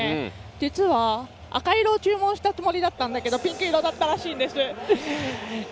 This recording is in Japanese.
実は赤色を注文したつもりだったんだけどピンク色だったそうなんです。